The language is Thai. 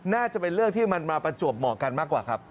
น่าจะเป็นเรื่องที่มันมาประจวบเหมาะกันมากกว่าครับ